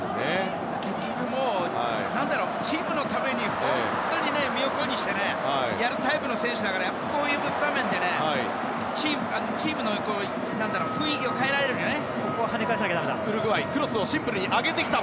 結局、何だろうチームのために身を粉にしてやるタイプの選手だからやっぱりこういう場面でチームの雰囲気を変えられるね。